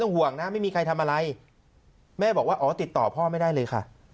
ห่วงนะไม่มีใครทำอะไรแม่บอกว่าอ๋อติดต่อพ่อไม่ได้เลยค่ะ